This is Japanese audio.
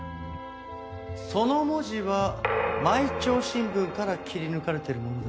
その文字は毎朝新聞から切り抜かれているものですね。